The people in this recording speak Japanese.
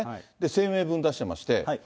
声明文を出してまして。